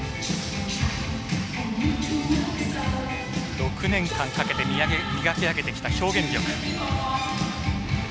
６年間かけて磨き上げてきた表現力。